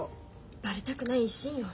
バレたくない一心よ。